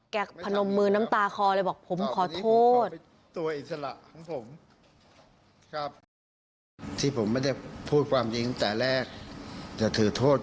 พนมมือน้ำตาคอเลยบอกผมขอโทษ